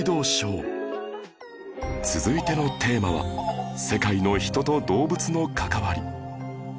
続いてのテーマは世界の人と動物の関わり